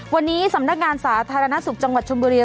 วันนี้สำนักงานสาธารณสุขจังหวัดชมบุรี